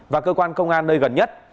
và cơ quan công an nơi gần nhất